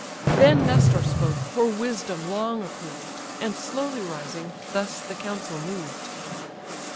Then Nestor spoke, for wisdom long approved, And slowly rising, thus the council moved.